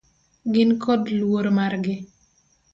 Gin kod luor margi.